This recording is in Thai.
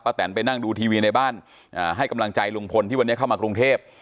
แตนไปนั่งดูทีวีในบ้านให้กำลังใจลุงพลที่วันนี้เข้ามากรุงเทพ